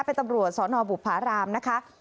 เป็นตำรวจสนบุภารามนะคะ